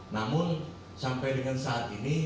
namun sampai dengan saat ini